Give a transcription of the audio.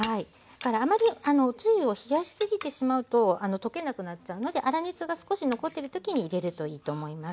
あまりおつゆを冷やしすぎてしまうと溶けなくなっちゃうので粗熱が少し残ってる時に入れるといいと思います。